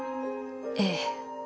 ええ。